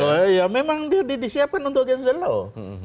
oh iya memang dia disiapkan untuk against the law